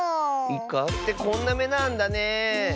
イカってこんなめなんだね。